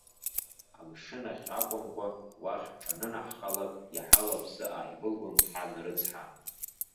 Амшын ахь акәымкәа, уахь ҳҿанынаҳхалак, иаҳа лыԥсы ааивылгон ҳан рыцҳа.